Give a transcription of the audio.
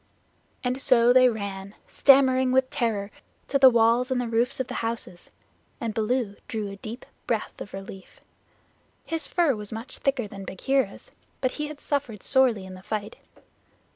And so they ran, stammering with terror, to the walls and the roofs of the houses, and Baloo drew a deep breath of relief. His fur was much thicker than Bagheera's, but he had suffered sorely in the fight.